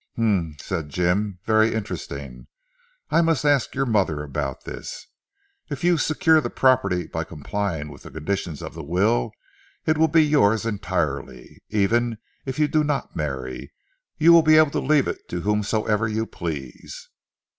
"Humph!" said Jim, "very interesting. I must ask your mother about this. If you secure the property by complying with the conditions of the will, it will be yours entirely. Even if you do not marry, you will be able to leave it to whomsoever you please."